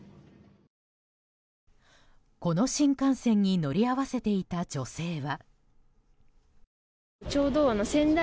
この新幹線に乗り合わせていた女性は。